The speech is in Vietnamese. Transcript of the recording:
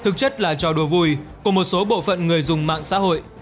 thực chất là trò đùa vui của một số bộ phận người dùng mạng xã hội